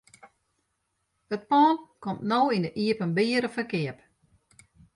It pân komt no yn 'e iepenbiere ferkeap.